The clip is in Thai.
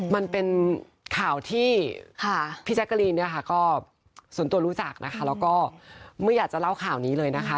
มันเป็นข่าวที่พี่แจ๊กกะรีนเนี่ยค่ะก็ส่วนตัวรู้จักนะคะแล้วก็ไม่อยากจะเล่าข่าวนี้เลยนะคะ